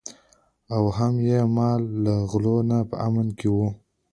او هم یې مال له غلو نه په امن کې وي.